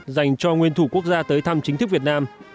dành cho nguyên thủ quốc gia tới thăm chính thức việt nam